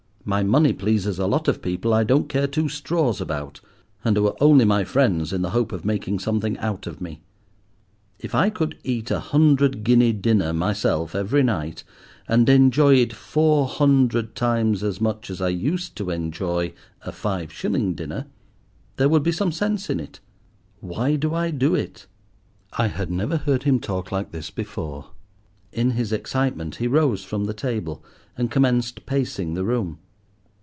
My money pleases a lot of people I don't care two straws about, and who are only my friends in the hope of making something out of me. If I could eat a hundred guinea dinner myself every night, and enjoy it four hundred times as much as I used to enjoy a five shilling dinner, there would be some sense in it. Why do I do it?" I had never heard him talk like this before. In his excitement he rose from the table, and commenced pacing the room.